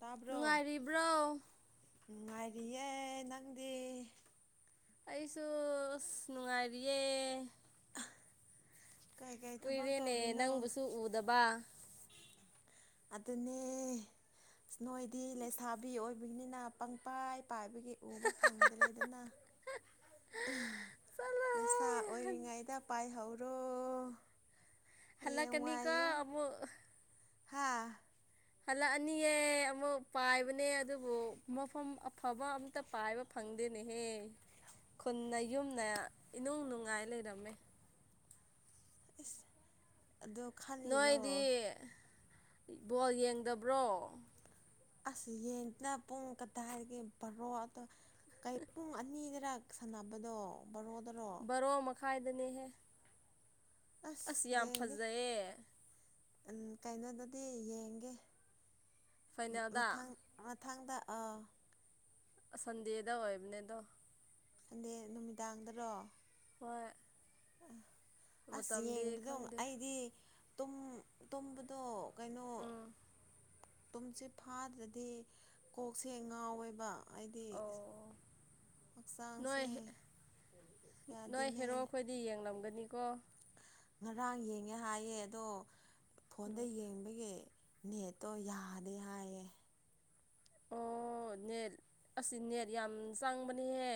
ꯇꯥꯕ꯭ꯔꯣ ꯅꯨꯡꯉꯥꯏꯔꯤꯕ꯭ꯔꯣ ꯅꯨꯡꯉꯥꯏꯔꯤꯌꯦ ꯅꯪꯗꯤ ꯑꯩꯁꯨ ꯑꯁ ꯅꯨꯡꯉꯥꯏꯔꯤꯌꯦ ꯀꯩꯀꯩ ꯊꯕꯛ ꯀꯨꯏꯔꯦꯅꯦ ꯇꯧꯔꯤꯅꯣ ꯅꯪꯕꯨꯁꯨ ꯎꯗꯕ ꯑꯗꯨꯅꯦ ꯅꯣꯏꯗꯤ ꯂꯩꯁꯥꯕꯤ ꯑꯣꯏꯕꯒꯤꯅꯤꯅ ꯄꯪꯄꯥꯏ ꯄꯥꯏꯕꯒꯤ ꯎꯕ ꯐꯪꯗ꯭ꯔꯦꯗꯅ ꯑꯝ ꯅꯁꯥ ꯆꯠꯂꯣꯍꯦ ꯑꯣꯏꯔꯤꯉꯩꯗ ꯄꯥꯏꯍꯧꯔꯣ ꯍꯜꯂ ꯀꯅꯤꯀꯥ ꯍꯥꯥ ꯍꯜꯂꯛꯑꯅꯤꯌꯦꯦ ꯑꯃꯨꯛ ꯄꯥꯏꯕꯅꯦ ꯑꯗꯨꯕꯨ ꯃꯐꯝ ꯑꯐꯕ ꯑꯝꯇ ꯄꯥꯏꯕ ꯐꯪꯗꯦꯅꯦꯍꯦ ꯈꯨꯟꯅ ꯌꯨꯝꯅ ꯏꯅꯨꯡ ꯅꯨꯡꯉꯥꯏ ꯂꯩꯔꯝꯃꯦ ꯑꯗꯣ ꯅꯣꯏꯗꯤ ꯕꯣꯜ ꯌꯦꯡꯗꯕ꯭ꯔꯣ ꯑꯁ ꯌꯦꯡꯁꯤꯅ ꯄꯨꯡ ꯀꯗꯥꯏꯗꯒꯤ ꯕꯔꯣ ꯑꯗꯣ ꯀ ꯄꯨꯡ ꯑꯅꯤꯗꯔꯛ ꯁꯥꯟꯅꯕꯗꯣ ꯕꯥꯔꯣꯗꯔꯣ ꯕꯣꯔꯣ ꯃꯈꯥꯏꯗꯅꯦꯍꯦ ꯑꯁ ꯌꯥꯝ ꯌꯦꯡꯒꯦ ꯐꯖꯩꯌꯦ ꯎ ꯀꯩꯅꯣꯗꯗꯤ ꯌꯦꯡꯒꯦ ꯐꯥꯏꯅꯦꯜꯗ ꯃꯊꯪ ꯃꯊꯪꯗ ꯑꯥ ꯁꯟꯗꯦꯗ ꯋꯥꯏꯕꯅꯦꯗ ꯍꯟꯗꯦ ꯅꯨꯃꯤꯗꯥꯡꯗꯔꯣ ꯍ ꯑꯁ ꯌꯦꯡꯕꯗꯣ ꯈꯪꯗꯦ ꯑꯩꯗꯤ ꯇꯨꯝꯕꯗꯣ ꯀꯩꯅꯣ ꯎꯝ ꯇꯨꯝꯁ ꯐꯥꯗ꯭ꯔꯗꯤ ꯀꯣꯛꯁꯦ ꯉꯥꯎꯋꯦꯕ ꯍꯥꯏꯗꯤ ꯑꯣ ꯅꯣꯏ ꯍꯛꯆꯥꯡꯁꯦ ꯌꯥꯗꯤꯅꯦ ꯗꯤ ꯌꯦꯡꯂꯝꯒꯅꯤꯀꯣ ꯉꯔꯥꯡ ꯌꯦꯡꯉꯦ ꯍꯥꯏꯌꯦ ꯑꯗꯣ ꯐꯣꯟꯗ ꯎꯝ ꯌꯦꯡꯕꯒꯤ ꯅꯦꯠꯇꯣ ꯌꯥꯗꯦ ꯍꯥꯏꯌꯦ ꯑꯣ ꯅꯦꯠ ꯑꯁꯤ ꯅꯦꯠ ꯌꯥꯝ ꯆꯥꯡꯕꯅꯦꯍꯦ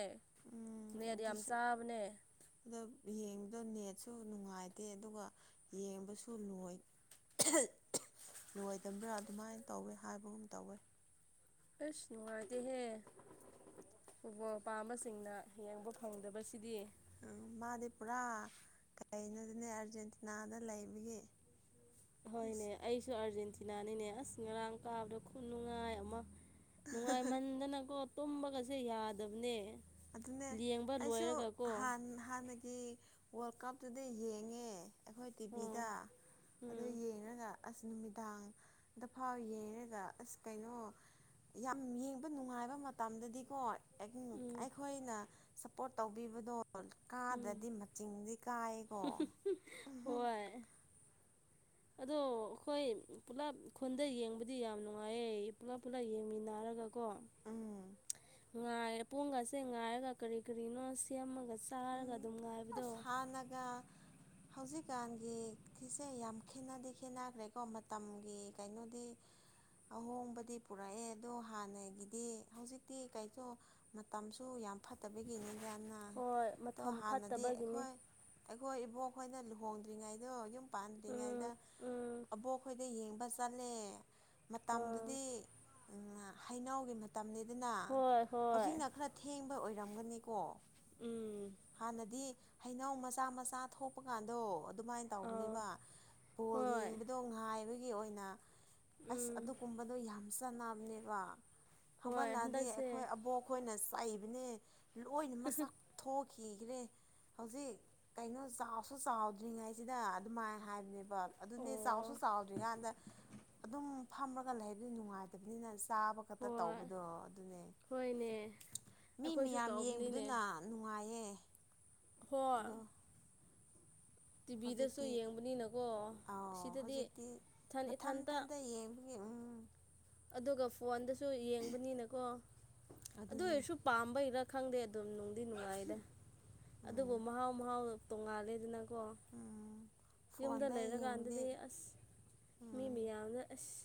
ꯅꯗꯤ ꯌꯥꯝ ꯆꯥꯕꯅꯦ ꯑꯗ ꯌꯦꯡꯕꯗꯣ ꯅꯦꯠꯁꯨ ꯅꯨꯡꯉꯥꯏꯇꯦ ꯑꯗꯨꯒ ꯌꯦꯡꯕꯁꯨ ꯂꯣꯏ ꯂꯣꯏꯗꯕ꯭ꯔꯥ ꯑꯗꯨꯃꯥꯏꯅ ꯇꯧꯋꯦ ꯍꯥꯏꯕꯒꯨꯝ ꯇꯧꯋꯦ ꯑꯁ ꯅꯨꯡꯉꯥꯏꯗꯤꯦꯍꯦ ꯐꯕꯣꯜ ꯃꯄꯥꯝꯕꯁꯤꯡꯅ ꯌꯦꯡꯕ ꯐꯪꯗꯕꯁꯤꯗꯤ ꯎꯝ ꯃꯥꯗꯤ ꯄꯨꯔꯥ ꯀꯩꯅꯣꯗꯅꯦ ꯑꯥꯔꯖꯦꯟꯇꯤꯅꯥꯗ ꯂꯩꯕꯒꯤ ꯍꯣꯏꯅꯦ ꯑꯁ ꯑꯩꯁꯨ ꯑꯥꯔꯖꯦꯟꯇꯤꯅꯥꯅꯤꯅꯦ ꯑꯁ ꯉꯔꯥꯡ ꯀꯥꯕꯗ ꯈꯨ ꯅꯨꯡꯉꯥꯏ ꯑꯃ ꯅꯨꯡꯉꯥꯏꯃꯟꯗꯅꯀꯣ ꯇꯨꯝꯕꯒꯁꯦ ꯌꯥꯗꯕꯅꯦ ꯑꯗꯨꯅꯦ ꯌꯦꯡꯕ ꯂꯣꯏꯔꯒꯀꯣ ꯑꯩꯁꯨꯥꯟ ꯍꯥꯟꯅꯒꯤ ꯁꯤ ꯋꯥꯔꯜ ꯀꯞꯇꯨꯗ ꯌꯦꯡꯉꯦ ꯑꯩꯈꯣꯏ ꯇꯤꯚꯤꯗ ꯑꯣ ꯑꯗꯨ ꯎꯝ ꯌꯦꯡꯉꯒ ꯑꯁ ꯅꯨꯃꯤꯗꯥꯡꯗ ꯐꯥꯎ ꯌꯦꯡꯔꯒ ꯑꯁ ꯀꯩꯅꯣ ꯌꯥꯝ ꯌꯦꯡꯕ ꯅꯨꯡꯉꯥꯏꯕ ꯃꯇꯝꯗꯗꯤꯀꯣ ꯎꯝ ꯑꯩꯈꯣꯏꯅ ꯁꯞꯄꯣꯔꯠ ꯇꯧꯕꯤꯕꯗꯣ ꯎꯝ ꯀꯥꯗ꯭ꯔꯗꯤ ꯃꯆꯤꯟꯗꯤ ꯀꯥꯏꯌꯦꯀꯣ ꯍꯣꯏ ꯑꯗꯣ ꯑꯩꯈꯣꯏ ꯄꯨꯂꯞ ꯈꯨꯟꯗ ꯌꯦꯡꯕꯗꯤ ꯌꯥꯝ ꯅꯨꯡꯉꯥꯏꯌꯦ ꯄꯨꯂꯞ ꯄꯨꯂꯞ ꯌꯦꯡꯃꯤꯟꯅꯔꯒꯀꯣ ꯎꯝ ꯉꯥꯏꯔꯦ ꯄꯨꯡꯒꯁꯦ ꯉꯥꯏꯔꯒ ꯀꯔꯤ ꯀꯔꯤꯅꯣ ꯁꯦꯝꯃꯒꯁꯦ ꯎ ꯑꯁ ꯍꯥꯟꯅꯒ ꯍꯧꯖꯤꯛꯀꯥꯟꯒꯤ ꯁꯤꯤꯁꯦ ꯌꯥꯝ ꯈꯦꯠꯅꯗꯤ ꯈꯦꯠꯅꯈ꯭ꯔꯦꯀꯣ ꯃꯇꯝꯒꯤ ꯀꯩꯅꯣꯗꯤ ꯑꯍꯣꯡꯕꯗꯤ ꯄꯨꯔꯛꯑꯦ ꯑꯗꯣ ꯍꯥꯟꯅꯒꯤꯗꯤ ꯍꯧꯖꯤꯛꯇꯤ ꯀꯩꯁꯨ ꯃꯇꯝꯁꯨ ꯌꯥꯝ ꯐꯠꯇꯕꯒꯤꯅꯤꯗ ꯑꯅ ꯍꯣꯏ ꯃꯇꯝ ꯐꯠꯇꯕꯒꯤꯅꯦ ꯑꯩꯈꯣꯏ ꯏꯕꯣꯛ ꯑꯩꯈꯣꯏꯅ ꯂꯨꯍꯣꯡꯗ꯭ꯔꯤꯉꯩꯗꯣ ꯌꯨꯝ ꯄꯥꯟꯗ꯭ꯔꯤꯉꯩꯗ ꯎꯝ ꯎꯝ ꯑꯕꯣꯛ ꯑꯩꯈꯣꯏꯗ ꯌꯦꯡꯕ ꯆꯠꯂꯦ ꯑ ꯃꯇꯝꯗꯨꯗꯤ ꯍꯩꯅꯎꯒꯤ ꯃꯇꯝꯅꯤ ꯑꯗꯨꯅ ꯍꯣꯏ ꯍꯣꯏ ꯍꯧꯖꯤꯛꯅ ꯈꯔ ꯊꯦꯡꯕ ꯑꯣꯏꯔꯝꯒꯅꯤꯀꯣ ꯎꯝ ꯍꯥꯟꯅꯗꯤ ꯍꯩꯅꯧ ꯃꯆꯥ ꯃꯆꯥ ꯊꯣꯛꯄ ꯀꯥꯟꯗꯣ ꯑꯗꯨꯃꯥꯏꯅ ꯑ ꯇꯧꯕꯅꯦꯕ ꯕꯣꯜ ꯍꯣꯏ ꯌꯦꯡꯕꯗꯣ ꯉꯥꯏꯕꯒꯤ ꯑꯣꯏꯅ ꯑꯁ ꯎꯝ ꯑꯗꯨꯒꯨꯝꯕꯗꯣ ꯌꯥꯝ ꯆꯥꯟꯅꯕꯅꯦꯕ ꯍꯣꯏ ꯍꯧꯒꯠꯂꯛꯑꯗꯤ ꯍꯟꯗꯛꯁꯦ ꯑꯩꯈꯣꯏ ꯑꯕꯣꯛ ꯑꯩꯈꯣꯏꯅ ꯆꯥꯏꯕꯅꯦ ꯂꯣꯏꯅ ꯃꯁꯥꯛ ꯊꯣꯛꯈꯤꯈ꯭ꯔꯦ ꯍꯧꯖꯤꯛ ꯀꯩꯅꯣ ꯆꯥꯎꯁꯨ ꯆꯥꯎꯗ꯭ꯔꯤꯉꯥꯏꯁꯤꯗ ꯑꯗꯨꯃꯥꯏꯅ ꯍꯥꯏꯕꯅꯦꯕ ꯕ ꯑꯗꯨꯅꯦ ꯆꯥꯎꯁꯨ ꯑꯣ ꯆꯥꯎꯗ꯭ꯔꯤꯀꯥꯟꯗ ꯑꯗꯨꯝ ꯐꯝꯃꯒ ꯂꯩꯕꯗꯤ ꯅꯨꯡꯉꯥꯏꯇꯕꯅꯤꯅ ꯆꯥꯕ ꯈꯛꯇ ꯍꯣꯏ ꯇꯧꯕꯗꯣ ꯑꯗꯨꯅꯦ ꯍꯣꯏꯅꯦ ꯃꯤ ꯑꯩꯈꯣꯏꯁꯨ ꯃꯌꯥꯝ ꯇꯧꯕꯅꯤꯅꯦ ꯌꯦꯡꯕꯗꯨꯅ ꯃꯌꯦ ꯍꯣ ꯍꯧꯖꯤꯛꯇꯤ ꯌꯦꯡꯕꯅꯤꯅꯀꯣ ꯑꯥꯎ ꯑꯁꯤꯗꯗꯤ ꯍꯧꯖꯤꯛꯇꯤ ꯏꯊꯟ ꯃꯊꯪ ꯏꯊꯟꯇ ꯃꯊꯪꯇ ꯌꯦꯡꯕ ꯎꯝ ꯑꯗꯨꯒ ꯐꯣꯟꯗꯁꯨ ꯌꯦꯡꯕꯅꯤꯅꯀꯣ ꯑꯗꯨ ꯑꯗꯨꯅꯦ ꯑꯣꯏꯔꯁꯨ ꯄꯥꯝꯕꯩꯔꯥ ꯈꯪꯗꯦ ꯑꯗꯨꯝ ꯅꯨꯡꯗꯤ ꯅꯨꯡꯉꯥꯏꯗ ꯎꯝ ꯑꯗꯨꯕꯨ ꯃꯍꯥꯎ ꯃꯍꯥꯎ ꯇꯣꯡꯉꯥꯂꯦꯗꯅꯀꯣ ꯎꯝ ꯌꯨꯝꯗ ꯐꯣꯟꯗ ꯌꯦꯡꯕꯗꯤ ꯂꯩꯔꯀꯥꯟꯗꯗꯤ ꯑꯁ ꯃꯤ ꯎꯝ ꯃꯤꯌꯥꯝꯅ ꯑꯁ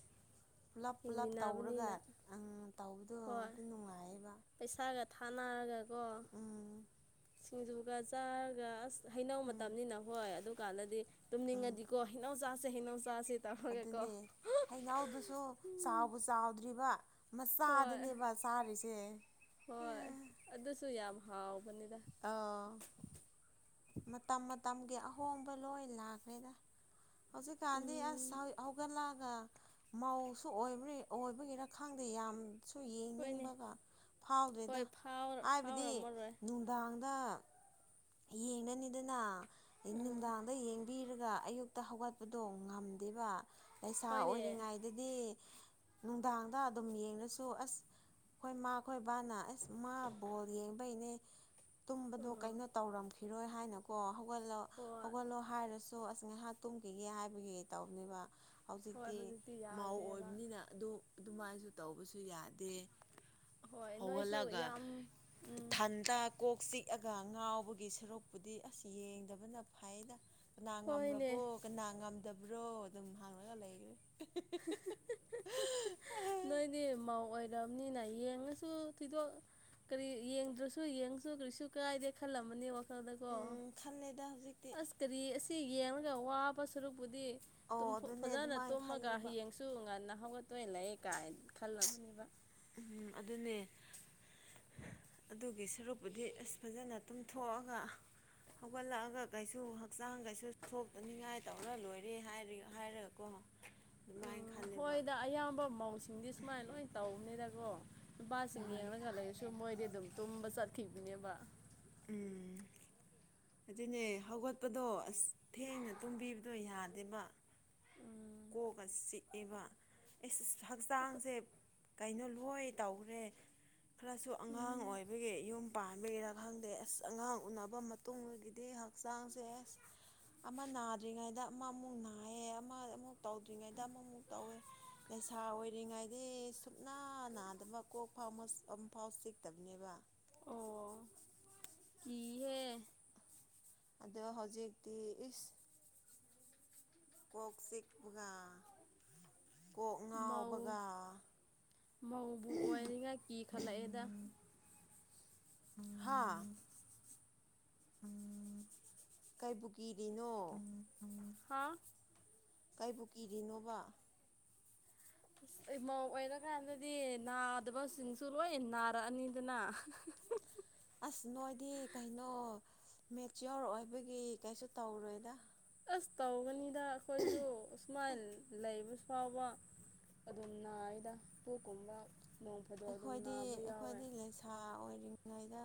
ꯄꯨꯂꯞ ꯄꯨꯂꯞ ꯇꯧꯔꯒ ꯌꯦꯡꯃꯤꯟꯅꯕꯅꯤꯅ ꯇꯧꯕꯗꯣ ꯍꯣꯏ ꯑꯗꯨ ꯅꯨꯡꯉꯥꯏꯌꯦꯕ ꯄꯩꯁꯥꯒ ꯊꯥꯅꯔꯒꯀꯣ ꯎꯝ ꯁꯤꯡꯖꯨꯒ ꯆꯥꯔꯒ ꯑꯁ ꯍꯩꯅꯧ ꯎꯝ ꯃꯇꯝꯅꯤꯅ ꯍꯣꯏ ꯑꯗꯨꯀꯥꯟꯗꯗꯤ ꯎꯝ ꯇꯨꯝꯅꯤꯡꯉꯗꯤꯀꯣ ꯍꯩꯅꯧꯆꯥꯥꯁꯦ ꯍꯩꯅꯧꯆꯥꯁꯦ ꯑꯗꯨꯅꯦ ꯍꯩꯩꯅꯎꯗꯨꯁꯨ ꯆꯥꯎꯕ ꯆꯥꯎꯗ꯭ꯔꯤꯕ ꯍꯣꯏ ꯃꯆꯥꯗꯨꯅꯦꯕ ꯆꯥꯔꯤꯁꯦ ꯍꯣꯏ ꯑꯗꯨꯁꯨ ꯌꯥꯝ ꯍꯥꯎꯕꯅꯤꯗ ꯑꯥ ꯃꯇꯝ ꯃꯇꯝꯒꯤ ꯑꯍꯣꯡꯕ ꯂꯣꯏ ꯂꯥꯛꯈ꯭ꯔꯦꯗ ꯍꯧꯖꯤꯛꯀꯥꯟꯗꯤ ꯑꯁ ꯎꯝ ꯍꯧꯒꯠꯂꯛꯑꯒ ꯃꯧꯁꯨ ꯑꯣꯏꯕ ꯑꯣꯏꯕꯒꯤꯔ ꯈꯥꯡꯗꯦ ꯌꯥꯝ ꯁꯨ ꯍꯣꯏꯅꯦ ꯌꯦꯡꯅꯤꯡꯕꯒ ꯐꯥꯎꯗꯦꯗ ꯍꯣꯏ ꯍꯥꯏꯕꯗꯤ ꯐꯥꯎꯔꯝꯃꯔꯣꯏ ꯅꯨꯡꯗꯥꯡꯗ ꯌꯦꯡꯗꯅꯤꯗꯅ ꯎꯝ ꯅꯨꯡꯗꯥꯡꯗ ꯌꯦꯡꯕꯤꯔꯒ ꯑꯌꯨꯛꯇ ꯍꯧꯒꯠꯄꯗꯣ ꯉꯝꯗꯦꯕ ꯂꯩꯁꯥ ꯍꯣꯏꯅꯦ ꯑꯣꯏꯔꯤꯉꯩꯗꯗꯤ ꯅꯨꯡꯗꯥꯡꯗ ꯑꯗꯨꯝ ꯌꯦꯡꯉꯁꯨ ꯑꯁ ꯍꯣꯏ ꯃꯥꯈꯣꯏ ꯕꯥꯅ ꯑꯁ ꯃꯥ ꯕꯣꯜ ꯌꯦꯡꯕꯩꯅꯦ ꯇꯨꯝꯕꯗꯣ ꯎꯝ ꯀꯩꯅꯣ ꯇꯧꯔꯝꯈꯤꯔꯣꯏ ꯍꯥꯏꯅꯀꯣ ꯍꯧꯒꯠꯂ ꯍꯣꯏ ꯍꯧꯒꯠꯂꯣ ꯍꯥꯏꯔꯁꯨ ꯁꯣ ꯑꯁ ꯉꯥꯏꯍꯥꯛ ꯇꯨꯝꯈꯤꯒꯦ ꯍꯥꯏꯕꯒꯤ ꯇꯧꯕꯅꯦꯕ ꯍꯣꯏ ꯍꯧꯖꯤꯛꯇꯤ ꯃꯥꯧ ꯌꯥꯗ꯭ꯔꯦꯕ ꯑꯣꯏꯕꯅꯤꯅ ꯑꯗꯨ ꯑꯗꯨꯃꯥꯏꯁꯨ ꯇꯧꯕꯁꯨ ꯌꯥꯗꯦ ꯍꯣꯏ ꯅꯣꯏꯁꯨ ꯍꯧꯒꯠꯂꯒ ꯌꯥꯝ ꯎꯝ ꯏꯊꯟꯇ ꯀꯣꯛ ꯆꯤꯛꯑꯒ ꯉꯥꯎꯕꯒꯤ ꯁꯔꯨꯛꯄꯨꯗꯤ ꯑꯁ ꯌꯦꯡꯗꯕꯅ ꯐꯥꯏꯅ ꯀꯅꯥ ꯍꯣꯏꯅꯦ ꯉꯝꯔꯕꯣ ꯀꯅꯥ ꯉꯝꯗꯕ꯭ꯔꯣ ꯑꯗꯨꯝ ꯍꯥꯡꯂꯒ ꯂꯩꯈ꯭ꯔꯦ ꯅꯣꯏꯗꯤ ꯃꯧ ꯑꯣꯏꯔꯕꯅꯤꯅ ꯌꯦꯡꯉꯁꯨ ꯊꯤꯗꯣꯛ ꯀꯔꯤ ꯌꯦꯡꯗ꯭ꯔꯁꯨ ꯌꯦꯡꯁꯨ ꯀꯔꯤꯁꯨ ꯀꯥꯏꯗꯦ ꯈꯜꯂꯝꯃꯅꯤ ꯈꯗꯀꯣ ꯎꯝ ꯈꯜꯂꯦꯗ ꯍꯧꯖꯤꯛꯇꯤ ꯑꯁ ꯀꯔꯤ ꯑꯁꯤ ꯌꯦꯡꯂꯡꯒ ꯋꯥꯕ ꯁꯔꯨꯛꯄꯨꯗꯤ ꯑꯣ ꯑꯗꯨꯅꯦ ꯐꯖꯅ ꯑꯗꯨꯃꯥꯏꯅ ꯇꯨꯝꯃꯒ ꯈꯜꯂꯦꯕ ꯍꯌꯦꯡꯁꯨ ꯉꯟꯅ ꯍꯧꯒꯠꯇꯣꯏ ꯂꯩꯌꯦ ꯀꯥꯏꯅ ꯈꯜꯂꯕꯅꯤꯕ ꯎꯝ ꯑꯗꯨꯅꯦ ꯑꯗꯨꯒꯤ ꯁꯔꯨꯛꯄꯨꯗꯤ ꯑꯁ ꯐꯖꯅ ꯇꯨꯝꯊꯣꯛꯑꯒ ꯍꯧꯒꯠꯂꯛꯑꯒ ꯀꯩꯁꯨ ꯍꯛꯆꯥꯡ ꯀꯩꯁꯨ ꯁꯣꯛꯇꯅꯤꯡꯉꯥꯏ ꯇꯧꯔ ꯂꯣꯏꯔꯦ ꯍꯥꯏꯔꯒ ꯑꯣ ꯗꯨꯃꯥꯏꯅ ꯃꯈꯣꯏꯗ ꯑꯌꯥꯝꯕ ꯃꯧꯁꯤꯡꯗꯤ ꯁꯨꯃꯥꯏꯅ ꯂꯣꯏ ꯇꯧꯕꯅꯤꯗꯀꯣ ꯅꯨꯄꯥꯁꯤꯡ ꯌꯦꯡꯂꯒ ꯂꯩꯔꯁꯨ ꯃꯣꯏꯗꯤ ꯑꯗꯨꯝ ꯇꯨꯝꯕ ꯆꯠꯈꯤꯕꯅꯦꯕ ꯎꯝ ꯑꯗꯨꯅꯦ ꯍꯧꯒꯠꯄꯗꯣ ꯑꯁ ꯊꯦꯡꯅ ꯇꯨꯝꯕꯤꯕꯗꯣ ꯌꯥꯗꯦꯕ ꯎꯝ ꯀꯣꯛꯒ ꯆꯤꯛꯑꯦꯕ ꯑꯩ ꯍꯛꯆꯥꯡꯁꯦ ꯀꯩꯅꯣ ꯂꯣꯏ ꯇꯧꯔꯦ ꯈꯔꯁꯨ ꯑꯉꯥꯡ ꯎꯝ ꯑꯣꯏꯕꯒꯤ ꯌꯨꯝ ꯄꯥꯟꯕꯒꯤꯔ ꯈꯥꯡꯗꯦ ꯑꯁ ꯑꯉꯥꯡ ꯎꯅꯕ ꯃꯇꯨꯡꯒꯤꯗꯤ ꯍꯛꯆꯥꯡꯁꯦ ꯑꯁ ꯑꯃ ꯅꯥꯗ꯭ꯔꯤꯉꯩꯗ ꯑꯃ ꯑꯃꯨꯛ ꯅꯥꯏꯌꯦ ꯑꯃ ꯑꯃꯨꯛ ꯇꯧꯗ꯭ꯔꯤꯉꯩꯗ ꯑꯃꯃꯨꯛ ꯇꯧꯋꯦ ꯂꯩꯁꯥ ꯑꯣꯏꯔꯤꯉꯥꯏꯗꯤ ꯁꯨꯞꯅꯥ ꯅꯥꯗꯕ ꯀꯣꯛ ꯐꯥꯎ ꯑꯃ ꯐꯥꯎ ꯆꯤꯛꯇꯕꯅꯦꯕ ꯑꯣ ꯀꯤꯍꯦ ꯑꯗꯣ ꯍꯧꯖꯤꯛꯇꯤ ꯏꯁ ꯀꯣꯛꯥꯛꯁꯤꯄꯉ ꯃꯧ ꯃꯧꯕꯨ ꯑꯣꯏꯅꯤꯉꯩ ꯀꯤ ꯈꯂꯥꯛꯦꯗ ꯍꯥꯥ ꯎꯝ ꯀꯩꯕꯨ ꯀꯔꯤꯅꯣ ꯍꯥꯥ ꯀꯕꯨ ꯀꯤꯔꯤꯅꯣꯕ ꯏꯃꯧ ꯑꯣꯏꯔꯀꯥꯟꯗꯗꯤ ꯅꯥꯗꯕꯁꯤꯡꯁꯨ ꯂꯣꯏ ꯅꯥꯔꯛꯑꯅꯤꯗꯅ ꯑꯁ ꯅꯣꯏꯗꯤ ꯀꯩꯅꯣ ꯃꯦꯆꯤꯌꯣꯔ ꯑꯣꯏꯕꯒꯤ ꯀꯩꯁꯨ ꯇꯧꯔꯣꯏꯗ ꯑꯁ ꯇꯧꯒꯅꯤꯗ ꯑꯩꯈꯣꯏꯁꯨ ꯁꯨꯃꯥꯏꯅ ꯂꯩꯕꯁꯨ ꯐꯥꯎꯕ ꯑꯗꯨꯝ ꯅꯥꯏꯅ ꯄꯣꯛꯀꯨꯝꯕ ꯅꯣꯡꯐꯗꯣ ꯑꯗꯨꯝ ꯅꯥꯕ ꯌꯥꯎꯋꯦ ꯅꯍꯥ ꯑꯣꯏꯔꯤꯉꯩꯗ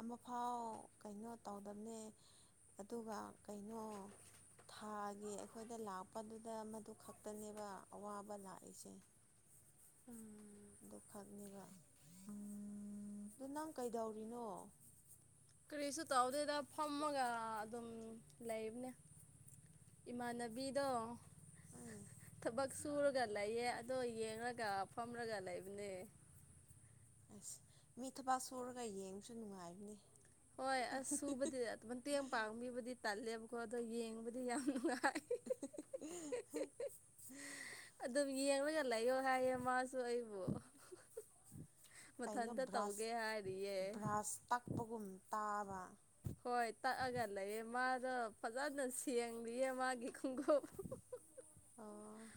ꯑꯃꯐꯥꯎ ꯀꯩꯅꯣ ꯇꯧꯗꯕꯅꯦ ꯑꯗꯨꯒ ꯀꯩꯅꯣ ꯊꯥꯒꯤ ꯑꯩꯈꯣꯏꯗ ꯂꯥꯛꯄꯗꯨꯗ ꯃꯗꯨ ꯈꯛꯇꯅꯦꯕ ꯑꯋꯥꯕ ꯂꯥꯛꯏꯁꯦ ꯎꯝ ꯑꯗꯨ ꯈꯛꯅꯦꯕ ꯑꯗꯣ ꯅꯪ ꯀꯩꯗꯧꯔꯤꯅꯣ ꯀꯔꯤꯁꯨ ꯇꯧꯗꯦꯗ ꯐꯝꯃꯒ ꯑꯗꯨꯝ ꯂꯩꯕꯅꯦ ꯏꯃꯥꯟꯅꯕꯤꯗ ꯎꯝ ꯊꯕꯛ ꯁꯨꯔꯒ ꯂꯩꯌꯦ ꯑꯗꯣ ꯌꯦꯡꯂꯡꯒ ꯐꯝꯔꯒ ꯂꯩꯕꯅꯦ ꯑꯁ ꯃꯤ ꯊꯕꯥꯛ ꯁꯨꯔꯒ ꯌꯦꯡꯕꯁꯨ ꯅꯨꯡꯉꯥꯏꯕꯅꯤ ꯍꯣꯏ ꯑꯁ ꯁꯨꯕꯗꯤ ꯃꯇꯦꯡ ꯄꯥꯡꯕꯤꯕꯨꯗꯤ ꯇꯜꯂꯦꯕꯀꯣ ꯑꯗꯣ ꯌꯦꯡꯕꯗꯤ ꯌꯥꯝ ꯅꯨꯡꯉꯥꯏ ꯑꯗꯨꯝ ꯌꯦꯡꯔꯒ ꯂꯩꯌꯣ ꯍꯥꯏꯌꯦ ꯃꯥ ꯑꯗꯣ ꯑꯩꯕꯨ ꯀꯩꯅꯣ ꯃꯊꯟꯇ ꯕ꯭ꯔꯥꯁ ꯇꯧꯒꯦ ꯍꯥꯏꯔꯤꯌꯦ ꯕ꯭ꯔꯥꯁ ꯇꯛꯄꯒꯨꯝ ꯇꯥꯕ ꯍꯣꯏ ꯇꯛꯑꯒ ꯂꯩꯌꯦ ꯃꯥꯗꯣ ꯐꯖꯅ ꯁꯦꯡꯂꯤꯌꯦ ꯃꯥꯒꯤ ꯈꯣꯡꯎꯞ ꯑꯣ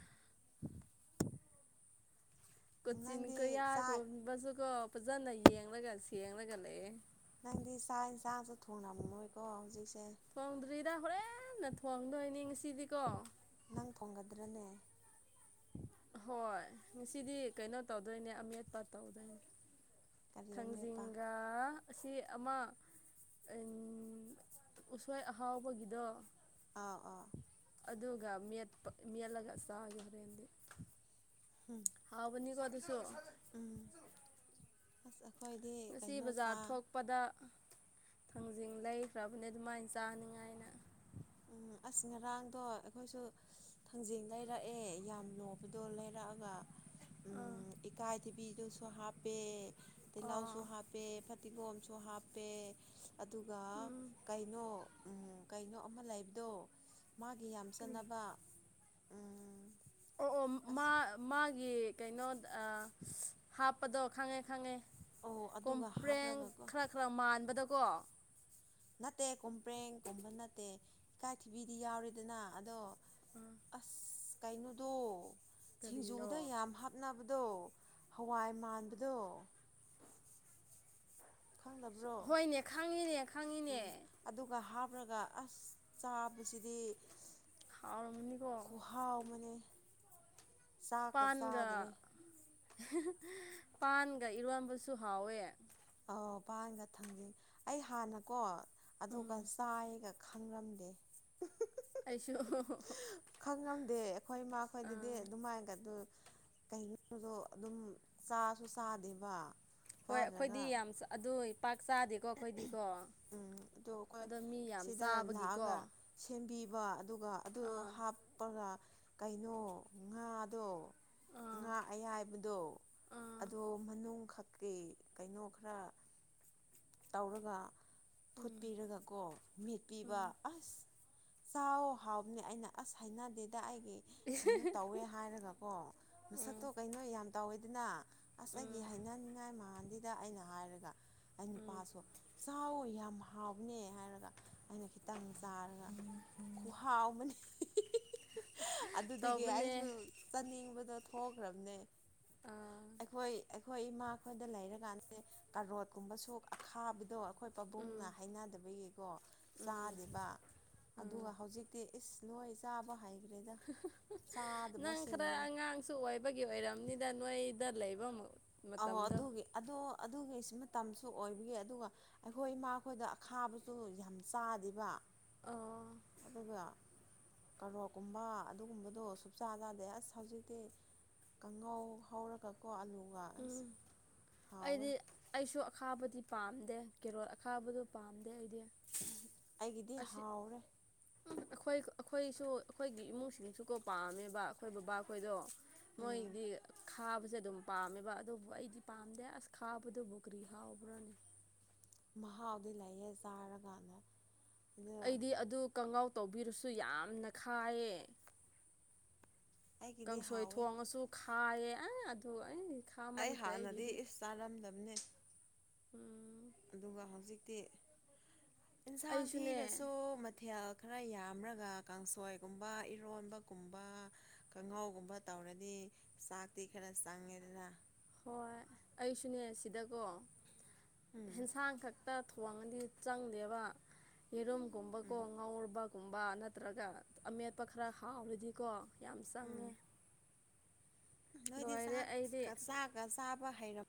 ꯀꯣꯆꯤꯟ ꯅꯪꯗꯤ ꯆꯥꯛ ꯀꯌꯥꯒꯨꯝ ꯃꯁꯨꯀꯣ ꯐꯖꯅ ꯌꯦꯡꯂꯒ ꯁꯦꯒ ꯂꯩꯌꯦꯦ ꯅꯪꯗꯤ ꯆꯥꯛ ꯌꯦꯟꯁꯥꯡꯁꯨ ꯊꯣꯡꯅꯝꯃꯣꯏꯀꯣ ꯍꯧꯖꯤꯛꯁꯦ ꯐꯥꯎꯗ꯭ꯔꯤꯗ ꯍꯣꯔꯦꯟꯅ ꯊꯣꯡꯗꯣꯏꯅꯤ ꯉꯁꯤꯗꯤꯀꯣ ꯅꯪ ꯐꯣꯡꯒꯗ꯭ꯔꯅꯦ ꯍꯣꯏ ꯉꯁꯤꯗꯤ ꯀꯩꯅꯣ ꯇꯧꯗꯣꯏꯅꯦ ꯑꯃꯦꯠꯄ ꯇꯧꯗꯣꯏꯅꯦ ꯀꯔꯤ ꯑꯃꯦꯠꯄ ꯊꯥꯡꯖꯤꯡꯒꯥ ꯑꯁꯤ ꯑꯃ ꯎꯁꯣꯏ ꯑꯍꯥꯎꯕꯒꯤꯗꯣ ꯑꯥꯎ ꯑꯥ ꯑꯗꯨꯒ ꯃꯦꯠꯄ ꯃꯦꯠꯂꯒ ꯆꯥꯒꯦ ꯍꯣꯔꯦꯟꯗꯤ ꯎꯝ ꯍꯥꯎꯕꯨꯅꯤ ꯀ ꯑꯗꯨꯁꯨꯣ ꯎꯝ ꯑꯩꯈꯣꯏꯗꯤ ꯉꯁꯤ ꯀꯩꯅꯣ ꯆꯥ ꯕꯖꯥꯔ ꯊꯣꯛꯄꯗ ꯊꯥꯡꯖꯤꯡ ꯂꯩ ꯈ꯭ꯔꯕꯅꯦ ꯑꯗꯨꯃꯥꯏꯅ ꯆꯥꯅꯤꯡꯉꯥꯏꯅ ꯎꯝ ꯑꯁ ꯉꯔꯥꯡꯗꯣ ꯑꯩꯈꯣꯏꯁꯨ ꯊꯥꯡꯖꯤꯡ ꯂꯩꯔꯛꯑꯦ ꯌꯥꯝ ꯂꯣꯕꯗꯣ ꯂꯩꯔꯛꯑꯒ ꯑꯥ ꯎꯝ ꯏꯀꯥꯏ ꯊꯤꯕꯤꯗꯨꯁꯨ ꯍꯥꯞꯄꯦ ꯑꯥ ꯇꯤꯜꯍꯥꯎꯁꯨ ꯍꯥꯞꯄꯦ ꯇꯤꯒꯣꯝꯁꯨ ꯍꯥꯞꯄꯦ ꯑꯗꯨꯒ ꯎꯝ ꯀꯩꯅꯣ ꯀꯩꯅꯣ ꯑꯃ ꯂꯩꯕꯗꯣ ꯃꯥꯒꯤ ꯌꯥꯝ ꯀꯔꯤ ꯆꯅꯕ ꯑꯣ ꯑꯣ ꯃꯥ ꯃꯥꯒꯤ ꯀꯩꯅꯣꯗ ꯍꯥꯞ ꯀꯞꯄꯗꯣ ꯈꯪꯉꯦ ꯈꯪꯉꯦ ꯑꯧ ꯑꯗꯨꯒ ꯀꯣꯝꯄ꯭ꯂꯦꯟ ꯍꯥꯞꯔꯒꯀꯣ ꯈꯔ ꯈꯔ ꯃꯥꯟꯕꯗꯀꯣ ꯅꯠꯇꯦ ꯀꯨꯝꯄ꯭ꯔꯦꯡ ꯀꯨꯝꯕ ꯅꯠꯇꯦ ꯏꯀꯥꯏ ꯊꯤꯕꯤꯗꯤ ꯌꯥꯎꯔꯤꯗꯅ ꯑꯗꯣ ꯑꯁ ꯀꯥꯏꯩꯅꯣꯗꯣ ꯀꯔꯤꯅꯣ ꯁꯤꯡꯖꯨꯗ ꯌꯥꯝ ꯍꯥꯞꯅꯕꯗꯣ ꯍꯋꯥꯏ ꯃꯥꯟꯕꯗꯣ ꯈꯪꯗꯕ꯭ꯔꯣ ꯍꯣꯏꯅꯦ ꯈꯪꯉꯤꯅꯦ ꯈꯪꯉꯤꯅꯦ ꯎꯝ ꯑꯗꯨꯒ ꯍꯥꯞꯂꯒ ꯑꯁ ꯆꯥꯕꯁꯤꯗꯤ ꯍꯥꯎ ꯔꯝꯅꯤ ꯀꯣ ꯍꯥꯎ ꯃꯅꯦ ꯄꯥꯟꯒ ꯄꯥꯟꯒ ꯏꯔꯣꯟꯝꯕꯁꯨ ꯍꯥꯎꯋꯦ ꯑꯧ ꯄꯥꯟꯒ ꯊꯥꯡꯖꯩ ꯑꯩ ꯍꯥꯟꯅꯀꯣ ꯑꯗꯨꯒ ꯎꯝ ꯆꯥꯏꯒ ꯈꯪꯔꯝꯗꯦ ꯀꯥꯏꯁꯨ ꯈꯪꯉꯝꯗꯦ ꯑꯩꯈꯣꯏ ꯏꯃꯥꯈꯣꯏꯗꯗꯤ ꯑꯥ ꯑꯗꯨꯃꯥꯏꯅꯒ ꯑꯗꯨ ꯀꯩꯅꯣꯗꯣ ꯑꯗꯨꯝ ꯆꯥꯁꯨ ꯆꯥꯗꯦꯕ ꯍꯣꯏ ꯑꯩꯈꯣꯏꯗꯤ ꯆꯥꯗ꯭ꯔꯒ ꯌꯥꯝ ꯑꯗꯨ ꯄꯥꯛ ꯆꯥꯗꯦ ꯀꯣ ꯑꯩꯈꯣꯏꯗꯤꯀꯣ ꯎꯝ ꯑꯩꯈꯣꯏ ꯑꯗꯣ ꯃꯤ ꯌꯥꯝ ꯁꯤꯗ ꯆꯥꯕꯒꯤꯀꯣ ꯂꯥꯛꯑꯒ ꯁꯦꯝꯕꯤꯕ ꯑꯗꯨꯒ ꯑꯗꯨ ꯑꯥ ꯍꯥꯞꯄꯒ ꯀꯩꯅꯣ ꯉꯥꯗꯣ ꯑꯥ ꯑꯉꯥꯡ ꯑꯌꯥꯏꯕꯗꯣ ꯑꯥ ꯑꯗꯣ ꯃꯅꯨꯡꯈꯛꯀꯤ ꯀꯩꯅꯣ ꯈꯔ ꯇꯧꯔꯒ ꯎꯝ ꯐꯨꯠꯄꯤꯔꯒꯀꯣ ꯃꯤꯠꯄꯤꯕ ꯎꯝ ꯑꯁ ꯆ ꯍꯥꯎꯕꯅꯦ ꯑꯩꯅ ꯑꯁ ꯍꯥꯏꯅꯗꯦꯗ ꯑꯩꯒꯤ ꯀꯩꯅꯣ ꯇꯧꯋꯦ ꯍꯥꯏꯔꯒ ꯀꯣ ꯃꯁꯛꯇꯣ ꯎꯝ ꯀꯩꯅꯣ ꯌꯥꯝ ꯇꯧꯋꯤꯗꯅ ꯑꯁ ꯑꯩꯒꯤ ꯎꯝ ꯍꯩꯅꯅꯤꯡꯉꯥꯏ ꯃꯥꯟꯗꯤꯗ ꯑꯩꯅ ꯍꯥꯏꯔꯒ ꯑꯩ ꯎꯝ ꯅꯨꯄꯥꯁꯨ ꯆꯥꯎꯋ ꯌꯥꯝ ꯍꯥꯎꯕꯅꯦ ꯍꯥꯏꯔꯒ ꯑꯩꯅ ꯈꯤ ꯈꯤ ꯇꯪ ꯇꯥꯔꯒ ꯈꯨꯍꯥꯎ ꯑꯃꯅꯤ ꯑꯗꯨꯗꯒꯤ ꯇꯧꯕꯅꯦ ꯑꯩꯁꯨ ꯆꯥꯅꯤꯡꯕꯗꯣ ꯊꯣꯛꯈ꯭ꯔꯕꯅꯦ ꯑꯥ ꯑꯩꯈꯣꯏ ꯑꯩꯈꯣꯏ ꯏꯃꯥ ꯑꯩꯈꯣꯏꯗ ꯂꯩꯔꯀꯥꯟꯗ ꯀꯔꯣꯠꯀꯨꯝꯕ ꯁꯣꯛ ꯑꯈꯥꯕꯗꯣ ꯑꯩꯈ ꯑꯩꯈꯣꯏ ꯄꯥꯕꯨꯡꯅ ꯎꯝ ꯍꯥꯏꯅꯗꯕꯒꯤꯀꯣ ꯎꯝ ꯆꯥꯗꯦꯕ ꯎꯝ ꯑꯗꯨꯒ ꯍꯧꯖꯤꯛꯇꯤ ꯏꯁ ꯅꯣꯏ ꯆꯥꯕ ꯍꯥꯏꯈ꯭ꯔꯦꯗ ꯆꯥꯗꯕꯁꯤꯡꯗꯣ ꯀ ꯁꯨ ꯑꯣꯏꯕꯒꯤ ꯑꯣꯏꯔꯕꯝꯅꯤꯗ ꯅꯣꯏꯗ ꯂꯩꯐꯝ ꯑ ꯑꯗꯨꯒꯤ ꯑꯗꯣ ꯑꯗꯨꯒꯤ ꯁꯤ ꯃꯇꯝꯁꯨ ꯑꯣꯏꯕꯒꯤ ꯑꯗꯨꯒ ꯑꯩꯈꯣꯏ ꯏꯃꯥ ꯑꯩꯈꯣꯏꯗ ꯑꯈꯥꯕꯁꯨ ꯌꯥꯝ ꯆꯥꯗꯦꯕ ꯑꯣ ꯑꯗꯨ ꯀꯔꯣꯛꯀꯨꯝꯕ ꯑꯗꯨꯒꯨꯝꯕꯗꯣ ꯁꯆꯥꯥꯖꯥꯗꯦ ꯑꯁ ꯍꯧꯖꯤꯛꯇꯤ ꯀꯥꯡꯍꯧ ꯍꯧꯔꯒ ꯀꯣ ꯑꯂꯨꯒ ꯑꯁ ꯎꯝ ꯍꯥꯎꯋꯦ ꯑꯩꯗꯤ ꯑꯩꯁꯨ ꯑꯈꯥꯕꯗꯤ ꯄꯥꯝꯗꯦ ꯀꯦꯔꯣꯜ ꯑꯈꯥꯕꯗꯨ ꯄꯥꯝꯗꯦ ꯑꯩꯗꯤ ꯑꯩꯒꯤꯗꯤ ꯍꯥꯎꯔꯦ ꯎ ꯑꯩꯈꯣꯏ ꯑꯩꯈꯣꯏꯁꯨ ꯑꯩꯈꯣꯏꯒꯤ ꯏꯃꯨꯡꯁꯤꯡꯁꯨꯀꯣ ꯄꯥꯝꯃꯦꯕ ꯑꯩꯈꯣꯏ ꯕꯕꯥꯈꯣꯏꯗꯣ ꯎꯝ ꯃꯣꯏꯗꯤ ꯈꯥꯕꯁꯦ ꯑꯗꯨꯝ ꯄꯥꯝꯃꯦꯕ ꯑꯗꯨꯕꯨ ꯑꯩꯗꯤ ꯄꯥꯝꯗꯦ ꯑꯁ ꯈꯥꯕꯗꯨꯕꯨ ꯀꯔꯤ ꯍꯥꯎꯕ꯭ꯔꯅꯤ ꯃꯍꯥꯎꯗꯤ ꯂꯩꯥꯏꯌꯦ ꯆꯥꯔꯒꯥꯟꯅ ꯑꯩꯗꯤ ꯑꯗꯨ ꯀꯪꯒꯥꯎ ꯇꯧꯕꯤꯔꯁꯨ ꯌꯥꯝꯅ ꯈꯥꯏꯌꯦ ꯑꯩꯒꯤꯗꯤ ꯀꯥꯡꯁꯣꯏ ꯍꯥꯎꯋꯦ ꯊꯣꯡꯉꯁꯨ ꯈꯥꯏꯌꯦ ꯑ ꯑꯗꯨꯒ ꯑꯩ ꯑꯩ ꯈꯥꯃꯟꯈ꯭ꯔꯦ ꯍꯥꯟꯅꯗꯤ ꯑꯩꯒꯤꯗꯤ ꯏꯁ ꯆꯥꯔꯝꯗꯕꯅꯤ ꯎꯝ ꯑꯗꯨꯒ ꯍꯧꯖꯤꯛꯇꯤ ꯑꯦꯟꯁꯥꯡ ꯑꯩꯁꯨꯅꯦ ꯊꯤꯔꯁꯨ ꯃꯊꯦꯜ ꯈꯔ ꯌꯥꯝꯔꯒ ꯀꯥꯡꯁꯣꯏꯒꯨꯝꯕ ꯏꯔꯣꯟꯕꯒꯨꯝꯕ ꯀꯥꯡꯍꯥꯎꯒꯨꯝꯕ ꯇꯧꯔꯗꯤ ꯆꯥꯛꯇꯤ ꯈꯔ ꯆꯪꯉꯦꯗꯅ ꯍꯣꯏ ꯑꯩꯁꯨꯅꯦ ꯁꯤꯗꯀꯣ ꯎꯝ ꯑꯦꯟꯁꯥꯡ ꯈꯛ ꯍꯛꯇ ꯊꯣꯡꯉꯗꯤ ꯆꯪꯗꯦꯕ ꯌꯦꯔꯨꯝꯒꯨꯝꯕꯀꯣ ꯎꯝ ꯉꯧꯔꯕ ꯀꯨꯨꯝꯕ ꯅꯠꯇ꯭ꯔꯒ ꯑꯃꯦꯠꯄ ꯈꯔ ꯍꯥꯎꯔꯗꯤꯀꯣ ꯌꯥꯝ ꯎꯝ ꯆꯪꯉꯦ ꯅꯣꯏꯗꯤ ꯂꯣꯏꯔꯦ ꯆꯥꯛ ꯑꯩꯗꯤ ꯆꯥꯒ ꯆꯥꯕ ꯍꯩꯔꯝ